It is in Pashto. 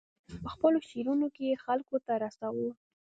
په خپلو شعرونو کې یې خلکو ته رساوه.